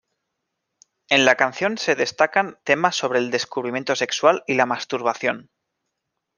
En la canción se destacan temas sobre el descubrimiento sexual y la masturbación.